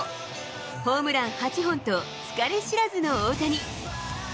ホームラン８本と、疲れ知らずの大谷。